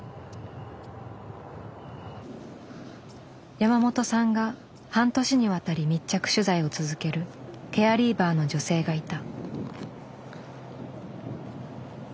山本さんが半年にわたり密着取材を続けるケアリーバーの女性がいた。